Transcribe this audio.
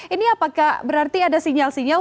ini apakah berarti ada sinyal sinyal